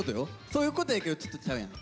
そういうことやけどちょっとちゃうやん。